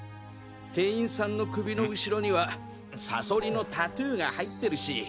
店員さんの首の後ろにはサソリのタトゥーが入ってるし。